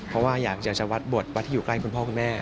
เพราะว่าอยากจะวัดบทวัดที่อยู่ใกล้คุณพ่อคุณแม่